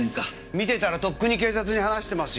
見てたらとっくに警察に話してますよ。